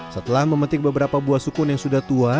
setelah memetik beberapa buah sukun yang sudah tua